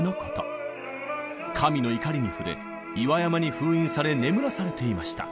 神の怒りに触れ岩山に封印され眠らされていました。